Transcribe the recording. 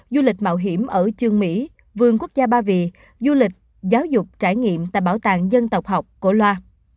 du lịch mạo hiểm ở trương mỹ vườn quốc gia ba vì du lịch giáo dục trải nghiệm tại bảo tàng dân tộc học cổ loa